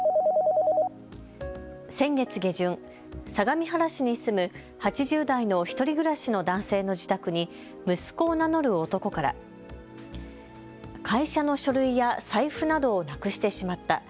先月下旬、相模原市に住む８０代の１人暮らしの男性の自宅に息子を名乗る男から会社の書類や財布などをなくしてしまった。